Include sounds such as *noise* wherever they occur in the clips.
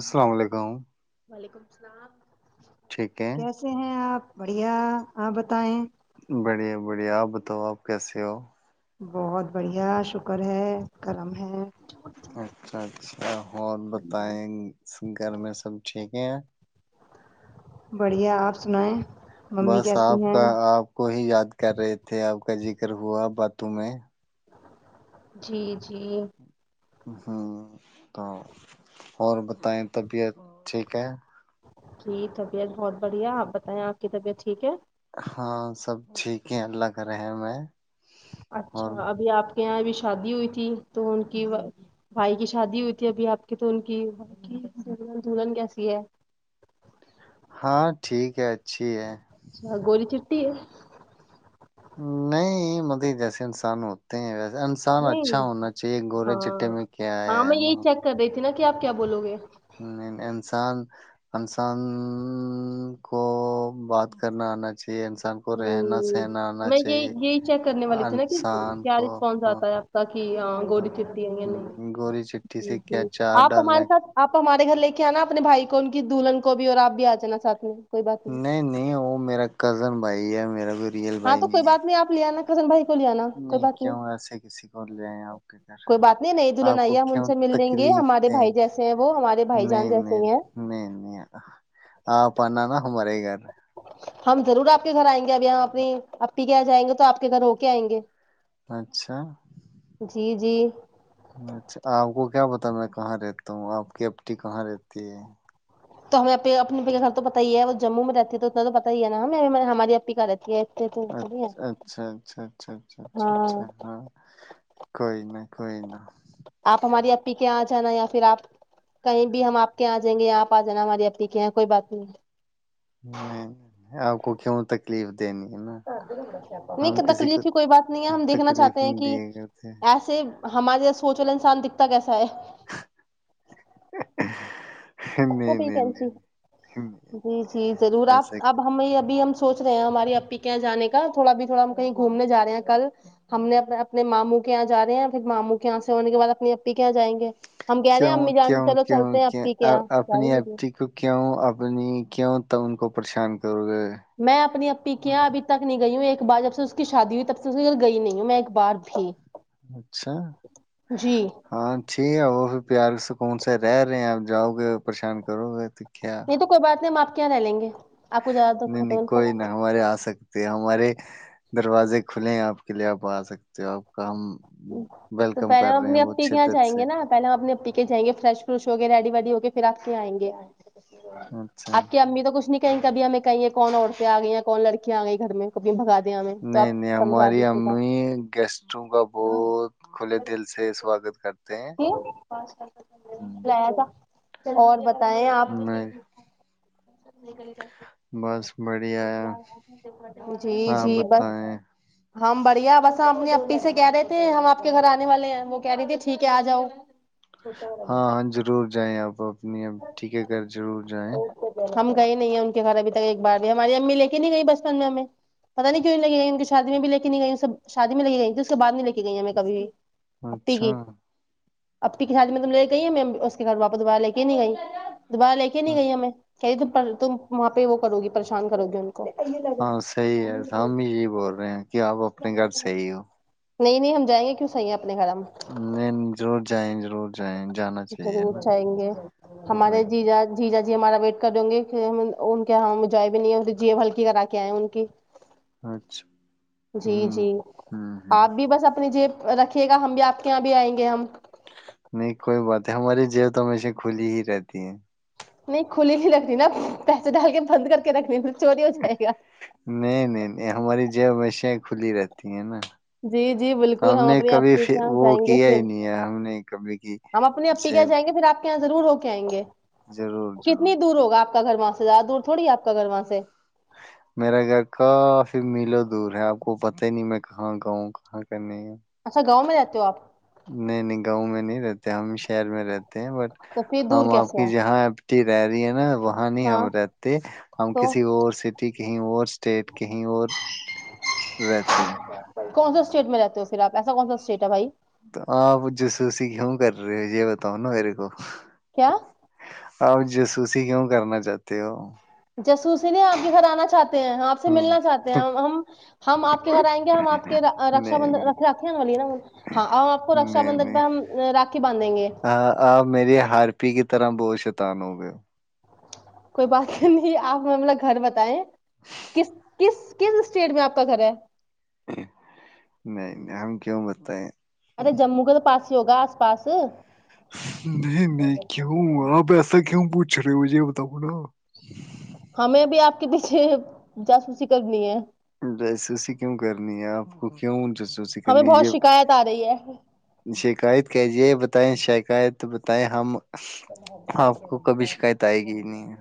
السلام علیکم ٹھیک *inaudible* ہے کیسے ہیں آپ بڑھیا آپ بتائیں بڑھیا بڑھیا آپ بتاؤ آپ کیسے ہو بہت بڑھیا شکر ہے کرم ہے اچھا اچھا اور بتائیں گھر میں سب ٹھیک *inaudible* بڑھیا آپ سنائیں بس آپ کا آپ کو ہی یاد کر رہے تھے آپ کا ذکر ہوا باتوں میں جی جی ہوں تو اور بتائیں طبیعت ٹھیک ہے جی طبیعت بہت بڑھیا آپ بتائیں آپ کی طبیعت ٹھیک ہے ہاں سب ٹھیک ہے اللہ کر رہے میں اچھا ابھی آپ یہاں ابھی شادی ہوئی تھی تو ان کی بھائی کی شادی ہوئی تھی ابھی آپ کی تو ان کی کی دن دلہن کیسی ہے ہاں ٹھیک ہے اچھی ہے اچھا *unintelligible* نہیں مت جیسے انسان ہوتے ہیں ویسے انسان اچھا نہیں ہونا چاہیے گورے چٹے ہاں میں کیا آیا ہاں ہے میں نا یہی چیک کر رہی تھی نا کہ آپ کیا بولو گے انسان انسان کو بات کرنا آنا چاہیے انسان کو رہنا ہوں، سہنا آنا میں یہ چاہیے یہی چیک کرنے والی تھی نا کہ انسان کیا کو رسپانس ہاں آتا ہے آپ کا ہاں گوڈی چٹی نہیں ج ہوں، گوری چٹھی سے جی کیا چار آپ ہمارے ڈالنا ساتھ کیا؟ آپ ہمارے گھر لے کے کیا نا اپنے بھائی کو ان کی دلہن کو بھی اور آپ بھی آ جانا سھ میں کوئی بات نہیں نہیں وہ میرا کزن بھائی ہے *unintelligible* ہاں تو کوئی بات نہیں آپ لے آناا *inaudible* نہیں کیوں ایسے کسی کو لےائ آپ کے گھر کوئی بات نہیں نئی دلہن آپ کو آئی ہے ہم ان کیوں سے مل لیں گے تکلیف ہمارے دیں بھائی جیسے ہیں وہ ہمارے بھائی جان نہیں جیسے نہیں ہی ہیں نہیں نہیں آپ آنا نا ہمارے گھر *inaudible* ہم ضرور آپ کے گھر آئیں گے ابھی یہاں اپنی پ کیا جائیں گے تو آ کے گھر ہو کے آئیں گے اچھا *inaudible* اچھا آپ کو کیا پتا میں کہاں رہتا ہوں آپ کی آپی کہاں رہتی ہے تو ہمیں اپنے آپی کا گھر تو پتا ہی ہے وہ جموں میں رہتی ہے تو اتنا تو پتا ہی ہے نا ہم ہماری آپی کہاں رہتی ہے تو تھوڑی اچھ ہے اچھا اچھا اچھا اچھا اچھا اچھا ہاں کوئی ن کوئی نہ آپ ہماری اپی کے یہاں جانا یا پھر آپ کہیں بھی ہم آپ کے یہاں آ جائیں گے یا آپ آ جانا ہماری اپی کے یہاں کوئی بات نہیں ہے تو کیوں ہو تکلیف دینی ہے نا ہم کسی کو تکلیف کی کوئی بات نہیں ہے ہم دیکھنا تکلیف چاہتے ہیں نہیں کہ دیا کرتے ہیں۔ ایسے ہمارے سوچ والا انسان دکھتا کیسا ہے *inaudible* وہ نہیں نہیں بھیی نہیں نہیں، جی جی ضرور آپ ایسا اب ہمیں ابھی ہم سوچ رہے ہیں ہماری اپپی کے یہاں جان کا تھوڑا بھی تھوڑا ہم کہیں گھومنے جا رہے ہیں کل ہم نے اپنے ماموں کے یہاں جا رہے ہیں پھر ماموں کے یہاں سے ہونے کے بعد اپنی اپپی کے یہاں جائیں گے ہم کہہ رہے ہیں کیوں امی جان کیوں سے چلو کیوں چلتے ہیں کیوں کے یہاں جائیں اپنی گے اپی کو کیوں اپنی کیوں توان کو پریشان کرو گے با جب سے اس کی شادی ہوئی تب سے اس کے یہاں گئی نہیں ہوں میں ایک بار بھی اچھا جی نہیں ہاں ٹھیک ہے وہ بھی پیار سکون سے رہ رہے ہیں آپ جاؤ گے پریشان کرو گے کیا یہ تو کوئی بات نہیں معاف کیا رہ لیں گے آپ کو زیادہ دکھ نہیں ہے نہیں تو ان کا کوئی نہ ہمارے آ سکتے ہمارے دروازے کھلے ہیں آپ کے لیے آپ آ سکتے ہو آپ کم تو پہلے ہم اپنی اپی کے یہاں شدت جائیں سے گے نا پہلے ہم اپنی اپی کے جائیں گے فریش فروش ہو کے ریڈی ویڈی ہو کے پھر آپ کے یہاں ایںگے اچھا آپ کی اچھا۔ امی تو کچھ نہیں کہیں گی کبھی ہمیں کہیں کون عورتیں آ گیں کون لڑکیاں آ گئی گھر میں کبھی بھگا دیں ہمیں تو نہیں آپ نہیں سمجھا ہماری دیجیے گا امی گیسٹوں کا بہت کھلے دل سے سواگت کرتے ہیں *unintelligible* اور ہوں، بتا بتیں آپ میں بس بڑھیا ہے جی ہاں جی بس بتائیں ہم بڑھیا بس ہم اپنی اپی سے کہہ رہے تھے ہم آ پکے گھر آنے والے ہیں وہ کہہ رہی تھیں ٹھیک ہے آ جاؤ ہاں ہاں ضرور جائیں آپ اب ا اب ٹھیک ہے گ ضرور جائیں ہم گئے نہیں ہیں ان کے گھر ابھی تک ایک بار بھی ہماری امی لے نہیں گئی بچپن میں ہمیں پتا نہیں کیوں نہیں لگ گئییں ان کی شادی میں بھی لے کے نہیں گئییںب شادی میں لگی گئییں تھی اس کے بع نہیں لے کے گئییں ہمیں کبھی بھی اچھا اپپ کھلاڑی میں تم لے گئی ہے میں اس کے کھاپ دوبارہ لے کی نہیں آئی دوبارہ لے کے نہیں گئی ہمیں کہہے ت تم وہاں پہ وہ کرو گی پریشان کرو گی ان کو ہاں صحیح ہے ہم جی بول رہے ہیں کہ آپ اپنے گھر صحیح ہو نہیں ہم جائیں گے کیوں صحپ نہیں ضرور جائے ر *inaudible* رور جائیں گے وہی ہمارے جا جیرا ہمارا ویٹ کر دوں گے ان کےاں جوائے بھی نہیں جی ہلکی کرا کے آئے ان کی اچھا جی ہوں جی ہوں ہ آپ بھی بس اپنی جیب رکھھیے گا ہم بھی آپ کے یہاں بھی آئیں گے ہم نہیں کوئی بات ہے ہماری جیب تو ہمیشہ کھلی ہی رہتی ہے نہیں کھلی نہیں رکھنی نا پیسے ڈال کے بند کر کے رکھنی چوری ہو جائے گا نہیں نہیں نہیں ہماری جب وشیایں کھلی رہتی ہیں نا جی جی بالکل ہم نے اپنی آ کبھی کے فی- یہاں وہ جائیں گے کیا پھر ہی نہیں ہے ہم نے کبھی کی ہم اپنی اپی کے یہاں جائیں جیب گے پھر آپ کے یہاں ضرور ہو کہیں گے ضرور کتنی ضرور دور ضرور ہوگا آپ کا گھر وہاں زیاد دور تھوڑی ہے آپ کا گھر وہاں سے میرا گھر کافی میلر دور ہے آپ کو پت ہی نہیں میں کہاں گاؤں کہاں کرنے اچھا گاؤں میں جے ہو آپ نہیں نہیں گاؤں میں نہیں رہتے ہم شہر میں رہتے بٹ تو پھر دور ہم آپ کیسے کی ہے جہاں ا رہی ہے نا وہاں نہیں ہاں ہم رہتے ہم تو کسی اور سٹی کہیں اور اسٹیٹ کہیں اور رہتے کون سا اسٹیٹ میں رہتے ہو پھر اپ ایسا کون سا اسٹیٹ ہے بھائی تو آپ جاسوسی کیوں کر رہے ہو یہ بتاؤ نا میرے کو کیا اپ جاسوسی کیوں کرنا چاہتے ہو جاسوسی نہیں آپ کے گھر آنا چاہتے ہے آپ سے ہوں ملنا چاہتے ہیں ہم ہم آپ کے گھر آئیں گے ہم آپ کے رکاشا نہیں بندھن نہیں رکھے گ نا ہاں اور آپ کو رکشا نہیں بندھن پہ نہیں ہم راکھی باندھیں گے آ- آپ میری ہارپی کی طرح *inaudible* کوئی بات نہیں آپ اپنا گھر بتائے کس کس کس اسٹیٹ میں آپ کا گھر ہے نہیں نہیں ہم کیوں بتائے ارے جموں کے تو پاس بھی ہوگا آس پاس نہیں میں کیوں اپ ایسا کیوں پوچھ رہی ہوں مجھے یہ بتاؤ نا ہمیں بھی آپ کے پیچھے جاسوسی کرنی ہے جاسوسی کیوں کرنی ہے آپ کو کیوں جاسوسی ہمیں کرنی بہت ہے شکایت آ رہی ہے شکایت کیا ہے یہ بتائیں شکایت بتائیں ہم آپ کو کبھی شکایت آئے گی ہی نہیں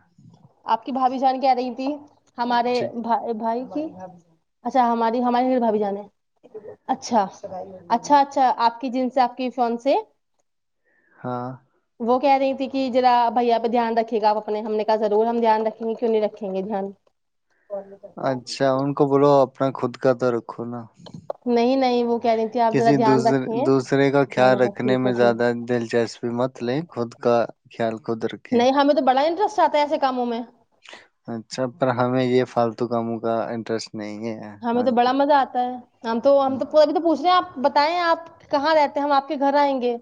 آپ کی بھا بھی جان کہ رہی تھی ہمارے جی بھائی بھائی اچھا ہماری ہمارے بھی بھابھی جان ہے اچھا اچھا اچھا آپ کی جن سے آپ کی فون سے ہاں وہ کہہ رہی تھی کہ ذرا بھیا پہ دھیان رکھے گا آپ اپنے ہم نے کہا ضرور ہم دھیان رکھیں گے کیوں نہیں رکھیں گے دھیان اچھا ان کو بولو اپنا خود کا تو ر نہیں نہیں وہ کہہ رہی تھی آپ ذرا کسی دھیان دوسرے رکھیں دوسرے کا میں خیال نے کہا رکھنے ٹھیک ہے میں ٹھیک زیادہ دلچسپی مت لے خود کا خیال خود رکھیں نہیں ہم تو بڑا انٹرسٹ آتا ہے ایسے کاموں میں اچھا پر ہمیں یہ فالتو کاموں کا انٹرسٹ نہیں ہے ہمیں تو آج بڑا تک مزہ آتا ہے ہم تو ہم تو ابھی تو پوچھ رہے ہیں آپ بتائیں آپ کہاں رہتے ہیں ہم آپ کے گھر آئیں گے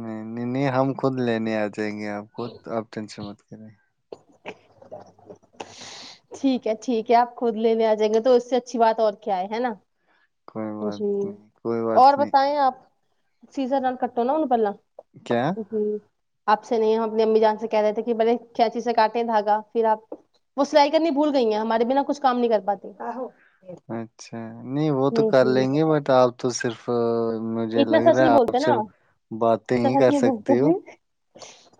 نہیں نہیں نہیں ہم خود لینے آ جاۓ گے آپ کو تو آپ ٹینشن مت لو *inaudible* ٹھیک ہے ٹھیک ہے آپ خود لینے آ جائیں گے تو اس سے اچھی بات اور کیا ہے ہے نا کوئی بات جی نہیں کوئی بات اور نہیں بتائیں آپ *inaudible* کیا جی آپ سے نہیں ہم اپنی امی جان سے کہہ رہے تھے کہ بلے کینچی سے کاٹیں دھاگا پھر آپ وہ سلائی کرنی بھول گئی ہیں ہمارے بنا کچھ کام نہیں کر پاتی اچھا نہیں وہ تو ہ کر جی لیں گے بٹ آپ تو صرف *inaudible* مجھے اتنا لگ سچ رہا ہے نہیں آپ بولتے نا صرف باتیں اتنا ہی سچ کر نہیں بولتے سکتے ہو ہیں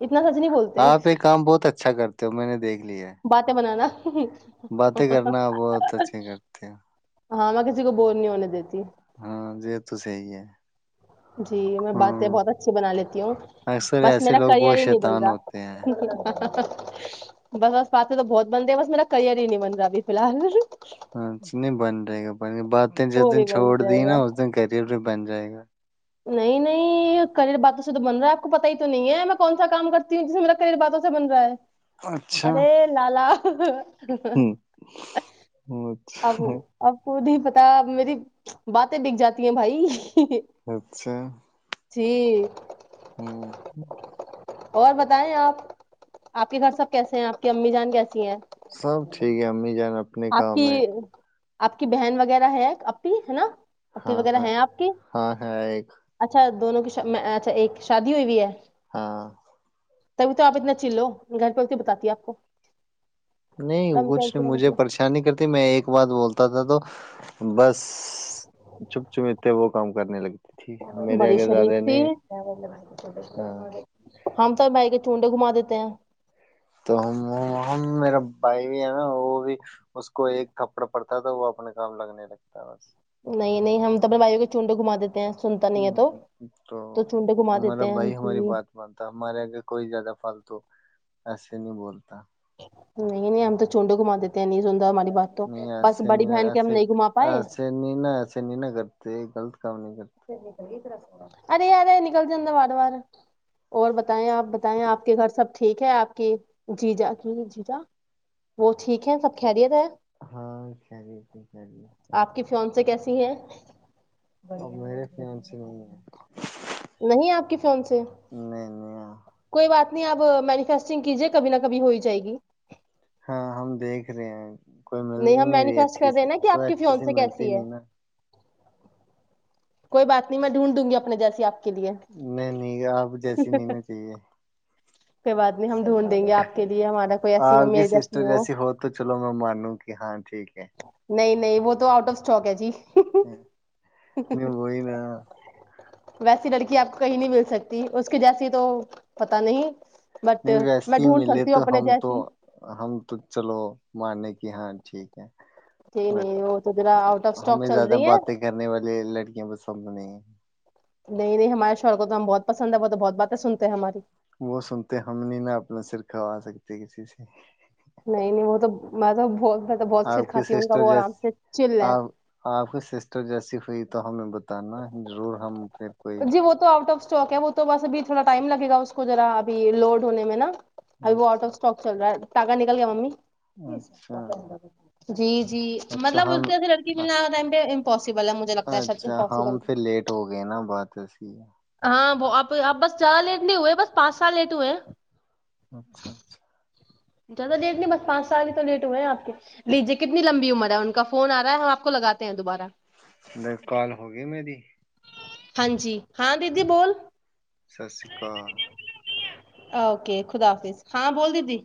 اتنا سچ نہیں بولتے آپ یہ کام بہت اچھا کرتے ہو میں نے دیکھ لیا باتیں *inaudible* باتیں کرنا بہت اچھے کرتے ہیں ہاں میں کسی کو بور نہیں ہونے دیتی ہمممم یہ تو صحیح ہے جی میں باتیں ہاں بہت اچھی بنا لیتی ہوں اکثر بس ایسے میرا لوگ کریئر بہت ہی نہیں بن شیطان ہوتے ہیں رہا بس بس باتیں تو بہت بنتے بس میرا کریئر ہی نہیں بن رہا ابھی فی الحال ہاں نہیں بن رہے گا پہ باتیں جس وہ دن بھی بن چھوڑ دی جائے نا گا اس دن کری بن جائے گا نہیں نہیں کرئر باتوں سے تو بن رہا ہے آپ کو پتا ہی تو نہیں ہے میں کون سا کام کرتی ہوں جسے میرا کرئر باتوں سے بن رہا ہے اچھا ارے لالا ہ اب اچھا اب کو نہیں پتا میری باتیں بک جاتی ہیں بھائی اچھا جی *inaudible* اور بتائیں آپ آپ کے گھر سب کیسے ہیں آپ کی امی جان کیسے سب ٹھیک ہے امی جانا آپ کے آپ کی بہن وغیرہ ہے آپ کی ہے نا ای ہاں وغیرہ ہاں ہیں آپ کے ہاں ہے ایک اچھا دونوں کی شا اچھا ایک شادی ہوئی بھی ہے ہاں تبھی تو آپ اتنا چل ہو گھر پہ آ کے بتاتی ہے آپ کو نہیں اللہ میں کچھ نہیں مجھے کیا پریشانی کر میں ایک بات بولتا تھا تو بس چپ چپتے وہ کام کرنے لگی بڑی شریف تھی ہاں ہم تو بھائی کے چونڈے گھما دیتے ہیں تو ہم ہم میرا بھائی بھی ہے نہ وہ بھی اس کو ایک تھپڑ پڑتا تو وہ اپنے کام لگنے لگتا بس نہیں نہیں ہم تو اپنے بھائیوں کے چونڈوں گھما دیتے ہیں سنتا نہیں ہے تو ہممم تو چونڈے گھما ہمارا دیتے ہیں بھائی جی ہماری بات مانتا ہمارے آگے کوئی زیادہ فالتو ایسے نہیں بولتا نہیں نہیں ہم تو چونڈ گ ماتتے ہیں ن سور م نہیں آس نہیں ن پائے اس نہیں ناس نہیں نگر تو غلط کام نہیں کرتے سی سر یہ طر *unintelligible* ارے یارے نکل جد بار بار اور بتائیں آپ بتائیں آپ کے گھر سب ٹھیک ہے آپ کی جی جا کی جی جا وہ ٹھیک ہے سب خیریت ہے ہاں خری سے خری ت ہے بڑھیا میرے فن سے نہیں ہے نہیں آپ کی فیونسے نہیں نہیں تنی آپ مینفیسٹنگ کیجیے کبھی نہ کبھی ہو ہی جائے گی ہاں ہم دیکھ رہے ہیں کوئی مل ہم نہیں رہی مینیفیسٹ اچھی کر رہے سی ہیں نا کہ کوئی آپ کی اچھی سی فیونسے ملتی کیسی ہے نہیں نا کوئی بات نہیں میں ڈھونڈوں گی اپنے جیسی آپ کو نہیں نہیں آپ جیسی نینا چاہیے کوئی بات نہیں ہم ڈھونڈ دیں گے آپ کے لیے ہمارا کوئی ایسی آپگ میرے سسٹر جیسی ہو تو چلو میں مانوں کہ ہاں ٹھیک ہے نہیں نہیں وہ تو آؤٹ آف اسٹواک ہے جی ہاں نہیں وہئی نا ویسی لڑکی آپ کو کہیں نہیں مل سکتی اس کے جیسی تو پتا نہیں بٹ نہیں ویسے میں ہی ڈھونڈ ملے سکتی ہوں تو اپنے ہم تو جیسی ہم تو چلو مانے کہ ہاں ٹھیک ہے جی ب نہیں وہ تو ذرا آؤٹ آف اسٹاک ہمیں چل زیادہ رہی ہے باتیں کرنے والے لڑکیاں بس س *unintelligible* نہیں نہیں ہمارے شوہر کو تو ہم بہت پسند ہے وہ تو بہت باتیں سنتے ہیں ہماری وہ سنتے ہم نہیں نا اپنا سر کھوا سکتے کسی سے نہیں نہیں وہ تو میں تو ب آپ کی سسٹر جی چل ہے آپ آپ کی سسٹر جیسی ہوئی تھی تو ہمیں ب جی وہ تو آؤٹ آف اسٹاک ہے وہ تو بس اب۔ تھوڑا ٹائم لگے گا اس کو ذرا ابھی لوڈ ہونے میں نا۔ ابھی وہ آوٹ اچھا آف اسٹاک چل رہا ہے نا۔ تاگہ نکل گیا ممی۔ اچھا جی جی اچھا مطلب اس ہم جیسی لڑکی میں *unintelligible* بلا مجھے لگتا ہے سب اچھا *unintelligible* ہم پھر لیٹ ہو گئے نا بات۔ س ہے *inaudible* ہاں وہ اپ بس زیادہ لیٹ نہیں ہوئے بس پانچ سال لیٹ ہوئے ہیں۔ اچھا اچھا۔ زیادہ لیٹ نہیں بس پانچ سال ہی تو لیٹ ہوئے ہیں آپ کے لیجیے کتنی لمبی عمر ہے ان کا فون آ رہا ہے ہم آپ کو لگاتے ہیں دوبارہ۔ د کال ہوگی میری۔ ہاں جی ہاں دیدی بول۔ سسری کال۔ اوکے خدا حافظ ہاں بول دیدی۔